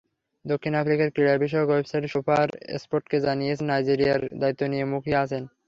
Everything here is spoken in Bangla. দক্ষিণ আফ্রিকার ক্রীড়াবিষয়ক ওয়েবসাইট সুপারস্পোর্টকে জানিয়েছেন, নাইজেরিয়ার দায়িত্ব নিতে মুখিয়ে আছেন।